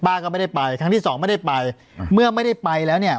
ก็ไม่ได้ไปครั้งที่สองไม่ได้ไปเมื่อไม่ได้ไปแล้วเนี่ย